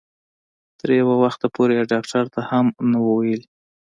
تر یو وخته پورې یې ډاکټر ته هم نه وو ویلي.